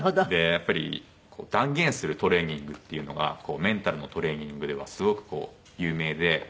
やっぱり断言するトレーニングっていうのがメンタルのトレーニングではすごく有名で。